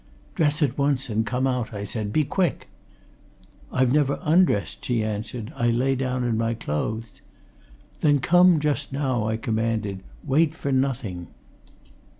"Dress at once and come out," I said. "Be quick!" "I've never been undressed," she answered. "I lay down in my clothes." "Then come, just now," I commanded. "Wait for nothing!"